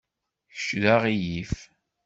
Kečč d aɣilif.